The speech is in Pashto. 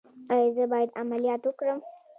ایا زه باید عملیات وکړم؟